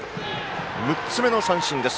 ６つ目の三振です。